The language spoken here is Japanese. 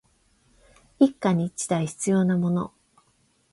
一家に一台必要なもの